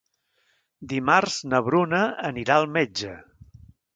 Dimarts na Bruna anirà al metge.